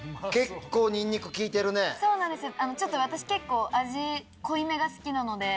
私結構味濃いめが好きなので。